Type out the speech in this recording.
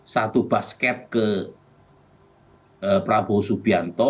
satu basket ke prabowo subianto